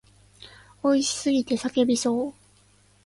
美味しすぎて叫びそう。